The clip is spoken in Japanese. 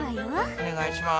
お願いします。